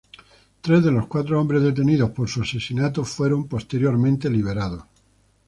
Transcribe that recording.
Tres de los cuatro hombres detenidos por su asesinato fueron posteriormente liberados.